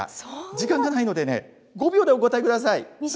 時間がないのでね、５秒でお答えください。